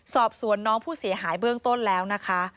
สอบสวนน้องผู้เสียหายเบื้องต้นแล้วนะคะ